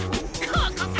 ここか？